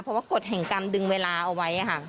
เพราะว่ากฎแห่งกรรมดึงเวลาเอาไว้ค่ะ